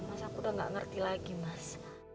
masa aku udah gak ngerti lagi mas